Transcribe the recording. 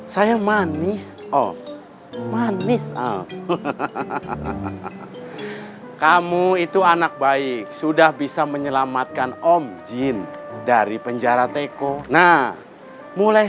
saya manis oh manis kamu itu anak baik sudah bisa menyelamatkan om jin dari penjara teko nah mulai